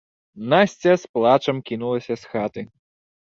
Насця з плачам кінулася з хаты.